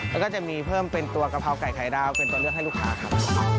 แล้วก็จะมีเพิ่มเป็นตัวกะเพราไก่ไข่ดาวเป็นตัวเลือกให้ลูกค้าครับ